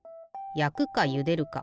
やくかゆでるか？